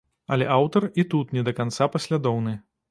Але аўтар і тут не да канца паслядоўны.